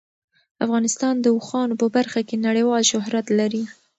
افغانستان د اوښانو په برخه کې نړیوال شهرت لري.